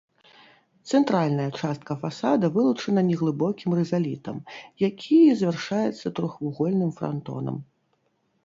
Цэнтральная частка фасада вылучана неглыбокім рызалітам, які завяршаецца трохвугольным франтонам.